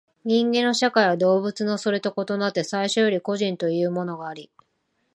人間の社会は動物のそれと異なって最初より個人というものがあり、